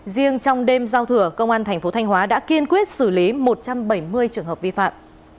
riêng trong đêm giao thừa công an thành phố thanh hóa đã kiên quyết xử lý một trăm bảy mươi trường hợp vi phạm